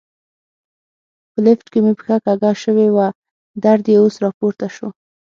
په لفټ کې مې پښه کږه شوې وه، درد یې اوس را پورته شو.